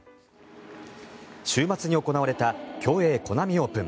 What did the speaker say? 週末に行われた競泳、コナミオープン。